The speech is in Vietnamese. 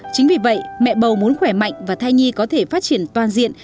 chính vì vậy mẹ bầu muốn khỏe mạnh và thai nhi có thể phát triển toàn diện